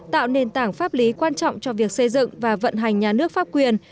tạo nền tảng pháp lý quan trọng cho việc xây dựng và vận hành nhà nước pháp quyền